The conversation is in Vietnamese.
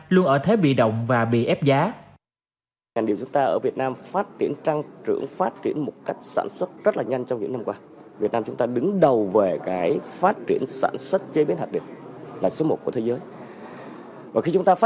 luôn ở thế bị động và bị ép giá